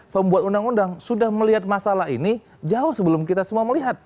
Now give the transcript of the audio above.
pembuat undang undang sudah melihat masalah ini jauh sebelum kita semua melihat